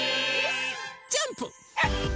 ジャンプ。